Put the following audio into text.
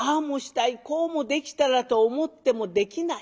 もしたいこうもできたらと思ってもできない。